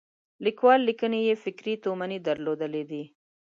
لیکوال لیکنې یې فکري تومنې درلودلې دي.